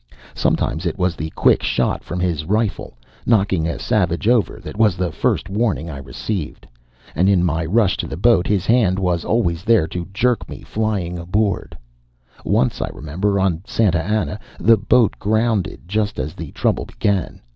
Sometimes it was the quick shot from his rifle, knocking a nigger over, that was the first warning I received. And in my rush to the boat his hand was always there to jerk me flying aboard. Once, I remember, on SANTA ANNA, the boat grounded just as the trouble began.